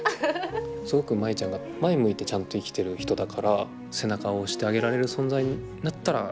すごく舞ちゃんが前向いてちゃんと生きてる人だから背中を押してあげられる存在になったらいいかなみたいな。